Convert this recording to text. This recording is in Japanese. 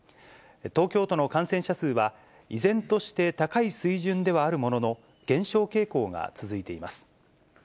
東京都の感染者数は、依然として高い水準ではあるものの、減少傾向が続いています。